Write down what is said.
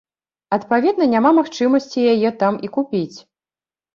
Адпаведна, няма магчымасці яе там і купіць.